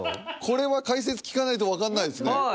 これは解説聞かないと分かんないですね